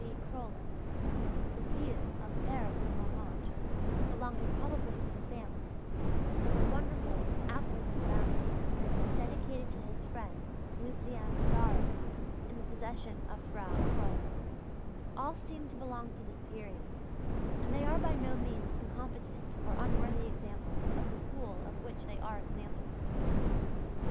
G. Kröller, the "View of Paris from Montmartre," belonging probably to the family, and the wonderful "Apples in a Basket" dedicated to his friend Lucien Pissaro, in the possession of Frau Kröller all seem to belong to this period; and they are by no means incompetent or unworthy examples of the school of which they are examples.